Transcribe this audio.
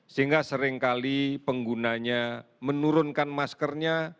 sehingga seringkali penggunanya menurunkan maskernya